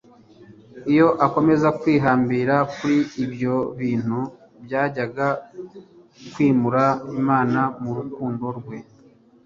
Iyo akomeza kwihambira kuri ibyo bintu byajyaga kwimura Imana, mu rukundo rwe.